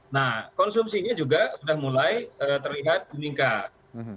nah konsumsinya juga sudah mulai terlihat meningkat